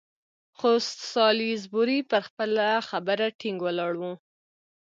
خو سالیزبوري پر خپله خبره ټینګ ولاړ وو.